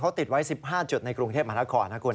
เขาติดไว้๑๕จุดในกรุงเทพมหานครนะคุณ